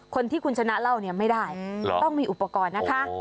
คนที่คุณชนะเล่าเนี่ยไม่ได้ต้องมีอุปกรณ์นะคะ